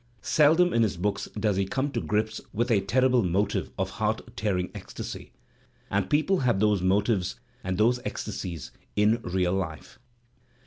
Seldom in his books does he come to grips with a terrible motive^X or heart tearing ecstasy — and people have those motives and those ecstasies in real life.